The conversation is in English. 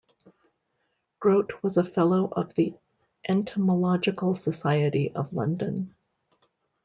Grote was a Fellow of the Entomological Society of London.